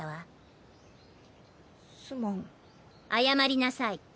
謝りなさい。